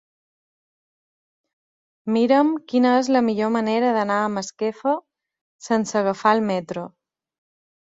Mira'm quina és la millor manera d'anar a Masquefa sense agafar el metro.